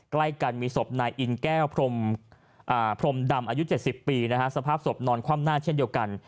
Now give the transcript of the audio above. ใกล้กันมีศพนายอินแก้วพรมดำอายุ๗๐ปีสภาพศพนอนคว่ำหน้าเช่นเดียวกัน